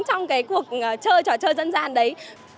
trong cái cuộc chơi trò chơi dân gian đấy